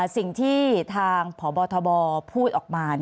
สิ่งที่ทางพบทบพูดออกมา